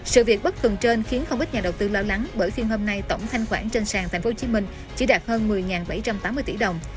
sự việc bất thường trên khiến không ít nhà đầu tư lo lắng bởi phiên hôm nay tổng thanh khoản trên sàn tp hcm chỉ đạt hơn một mươi bảy trăm tám mươi tỷ đồng